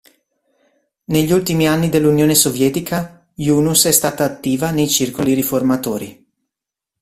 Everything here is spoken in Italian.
Negli ultimi anni dell'Unione Sovietica, Yunus è stata attiva nei circoli riformatori.